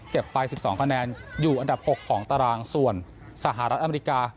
ไป๑๒คะแนนอยู่อันดับ๖ของตารางส่วนสหรัฐอเมริกา